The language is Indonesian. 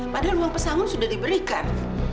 padahal uang pesangon sudah diberikan